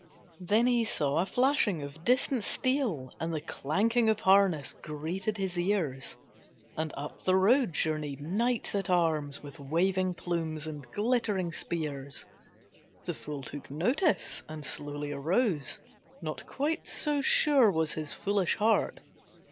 Then he saw a flashing of distant steel And the clanking of harness greeted his ears, And up the road journeyed knights at arms, With waving plumes and glittering spears. The fool took notice and slowly arose, Not quite so sure was his foolish heart.